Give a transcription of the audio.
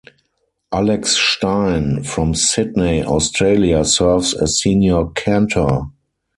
Alex Stein from Sydney Australia, serves as senior cantor.